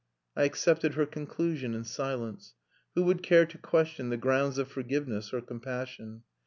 I accepted her conclusion in silence. Who would care to question the grounds of forgiveness or compassion?